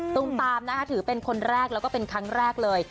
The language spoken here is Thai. มตามนะคะถือเป็นคนแรกแล้วก็เป็นครั้งแรกเลย